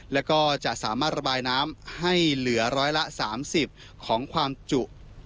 แล้วก็จะสามารถระบายน้ำให้เหลือร้อยละ๓๐ของความจุ